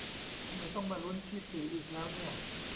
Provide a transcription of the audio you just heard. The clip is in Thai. ทำไมต้องมาลุ้นที่สี่อีกแล้วเนี่ย